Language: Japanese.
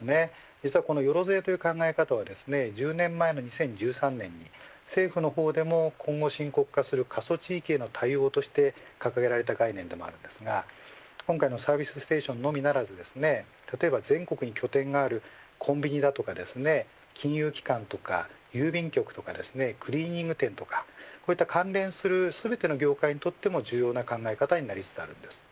実は、よろずやという考え方は１０年前の２０１３年に政府の方でも今後、深刻化する過疎地域への対応として掲げられた概念でもあるんですが今回のサービスステーションのみならず例えば全国に拠点があるコンビニや金融機関とか郵便局とかクリーニング店とかこういった関連する全ての業界にとっても重要な考え方になりつつあるんです。